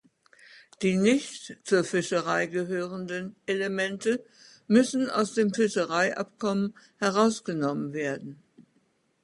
Die nicht zur Fischerei gehörenden Elemente müssen aus dem Fischereiabkommen herausgenommen werden.